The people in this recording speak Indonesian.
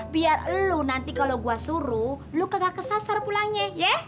biar lu nanti kalo gua suruh lu kagak kesasar pulangnya ya